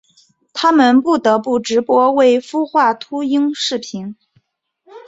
他们不得不直播未孵化秃鹰视频。